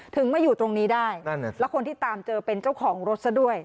มาอยู่ตรงนี้ได้แล้วคนที่ตามเจอเป็นเจ้าของรถซะด้วย